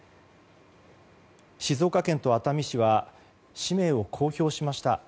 静岡県と熱海市は氏名を公表しました。